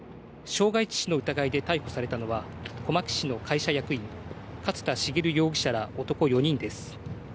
傷害致死の疑いで逮捕されたのは小牧市の会社役員・勝田茂容疑者ら男４人です。